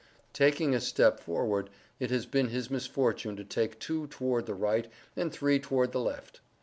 Taking a step forward, it has been his misfortune to take two toward the right, and three toward the left.